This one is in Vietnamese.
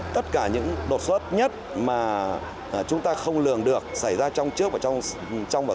tất cả những đột xuất nhất mà chúng ta không lường được xảy ra trong trước và sau